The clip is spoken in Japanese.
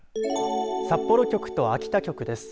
札幌局と秋田局です。